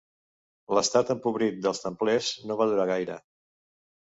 L'estat empobrit dels templers no va durar gaire.